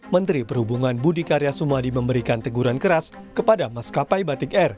menteri perhubungan budi karya sumadi memberikan teguran keras kepada maskapai batik air